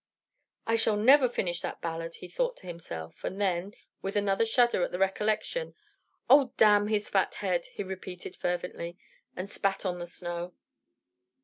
"I shall never finish that ballade," he thought to himself; and then, with another shudder at the recollection, "Oh, damn his fat head!" he repeated fervently, and spat upon the snow.